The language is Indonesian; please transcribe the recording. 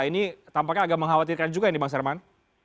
ini tampaknya agak mengkhawatirkan juga ini bang sarman